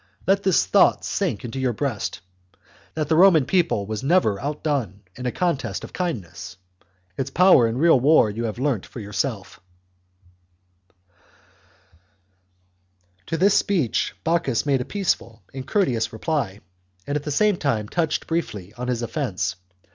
Let this thought sink into your breast, that the Roman people was never outdone in a contest of kindness ; its power in real war you have learnt for yourself" To this speech Bocchus made a peaceful and courteous reply, and at the same time touched briefly on his offence.